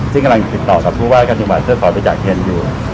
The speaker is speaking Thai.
ซึ่งกำลังติดต่อกับผู้ว่าการจังหวัดเพื่อขอบริจาคเฮนอยู่